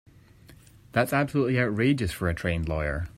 That's absolutely outrageous for a trained lawyer.